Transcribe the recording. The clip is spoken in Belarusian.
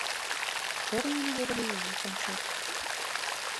Учора мы наведалі яе канцэрт.